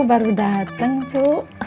baru datang cu